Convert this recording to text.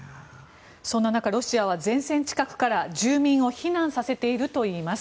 そんな中、ロシアは前線近くから住民を避難させているといいます。